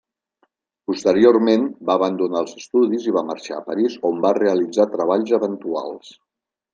Posteriorment, va abandonar els estudis i va marxar a París on va realitzar treballs eventuals.